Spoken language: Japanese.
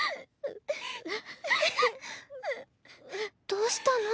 どうしたの？